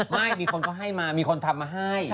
ไม่มีคนเขาให้มามีคนทำมาให้